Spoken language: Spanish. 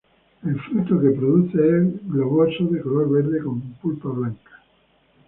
El fruto que produce es globoso de color verde con pulpa blanca.